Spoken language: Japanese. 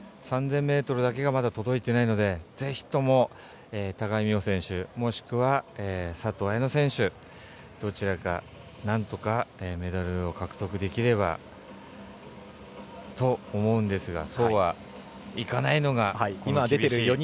３０００ｍだけがまだ届いてないのでぜひとも高木美帆選手もしくは佐藤綾乃選手どちらか、なんとかメダルを獲得できればと思うんですがそうはいかないのが。